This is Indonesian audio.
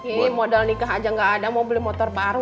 ini modal nikah aja nggak ada mau beli motor baru